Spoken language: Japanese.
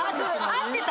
合ってた！